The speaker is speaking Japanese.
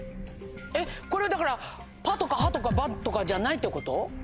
これだから「ぱ」とか「は」とか「ば」とかじゃないってこと？